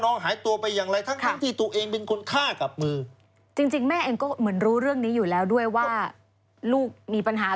นั่นน่ะสิครับ